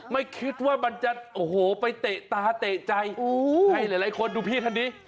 ไม่คิดว่ามันจะโอ้โหไปเตะตาเตะใจให้หลายคนดูพี่ท่านนี้